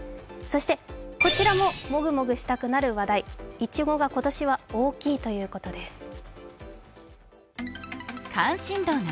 そしてこちらももぐもぐしたくなる話題、いちごが今年は大きいということです。